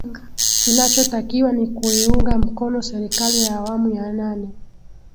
Kinachotakiwa ni kuiunga mkono serikali ya awamu ya nane